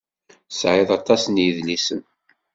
Tesɛiḍ aṭas n yedlisen.